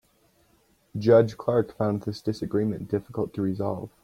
Judge Clark found this disagreement difficult to resolve.